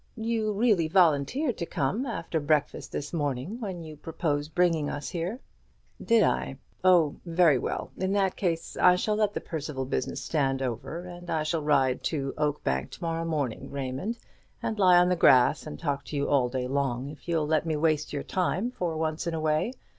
"You really volunteered to come, after breakfast this morning, when you proposed bringing us here." "Did I? Oh, very well; in that case I shall let the Percival business stand over; and I shall ride to Oakbank to morrow morning, Raymond, and lie on the grass and talk to you all day long, if you'll let me waste your time for once in a way.